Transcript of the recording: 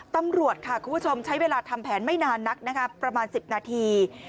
ตำรวจค่ะคุณผู้ชมใช้เวลาทำแผนไม่นานนักนะคะประมาณ๑๐นาที